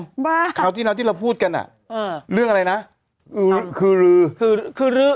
คุณรู้ยังคราวหนึ่งที่เราพูดกันนะเรื่องอะไรนะคือขึ้ลือ